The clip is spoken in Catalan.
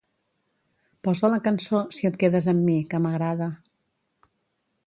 Posa la cançó "Si et quedes amb mi" que m'agrada